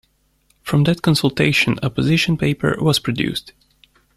From that consultation a position paper was produced.